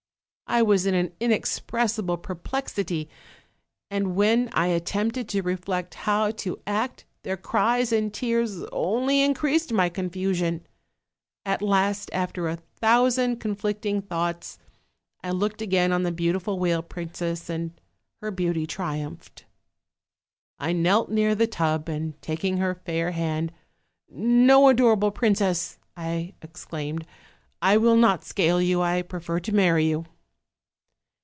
"I was in an inexpressible perplexity; and when I at tempted to reflect how to act their cries and tears only increased my confusion. At last, after a thousand con flicting thoughts, I looked again on the beautiful whale princess, and her beauty triumphed. I knelt near the tub, and taking her fair hand: 'No, adorable princess,' I exclaimed, 'I will not scale you; I prefer to marry you.'